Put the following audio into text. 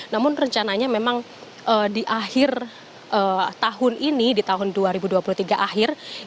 namun rencananya memang di akhir tahun ini di tahun dua ribu dua puluh tiga akhir